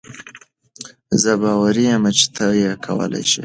زۀ باوري يم چې تۀ یې کولای شې.